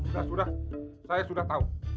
sudah sudah saya sudah tahu